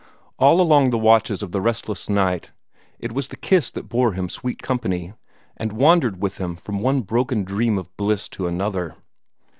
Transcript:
All along the watches of the restless night, it was the kiss that bore him sweet company, and wandered with him from one broken dream of bliss to another.